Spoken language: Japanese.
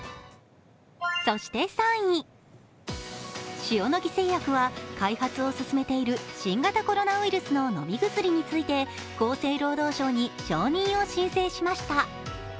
そして３位、塩野義製薬は開発を進めている新型コロナウイルスの飲み薬について厚生労働省に承認を申請しました。